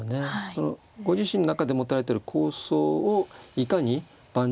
そのご自身の中で持たれてる構想をいかに盤上に表現するかね